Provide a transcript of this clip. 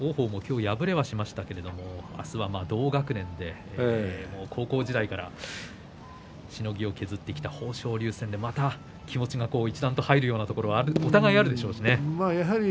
王鵬も今日は敗れはしましたが明日は同学年で高校時代からしのぎを削ってきた豊昇龍戦でまた気持ちが一段と入るところがお互いにあるでしょうね。